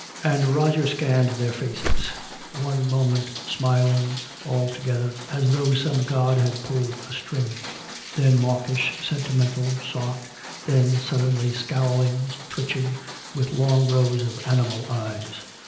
And Roger scanned their faces one moment smiling, all together, as though some god had pulled a string; then mawkish, sentimental, soft; then suddenly scowling, twitching, with long rows of animal eyes.